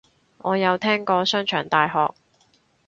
我有聽過商場大學